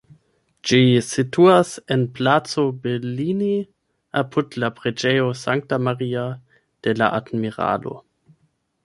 Ĝi situas en Placo Bellini, apud la Preĝejo Sankta Maria de la Admiralo.